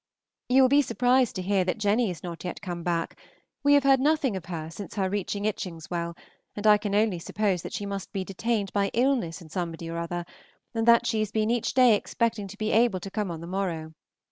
You will be surprised to hear that Jenny is not yet come back; we have heard nothing of her since her reaching Itchingswell, and can only suppose that she must be detained by illness in somebody or other, and that she has been each day expecting to be able to come on the morrow.